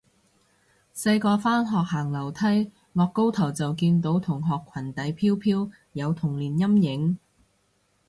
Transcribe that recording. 細個返學行樓梯，顎高頭就見到同學裙底飄飄，有童年陰影